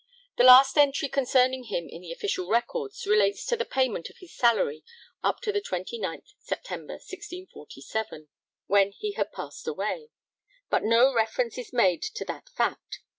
The last entry concerning him in the official records relates to the payment of his salary up to 29th September 1647, when he had passed away, but no reference is made to that fact.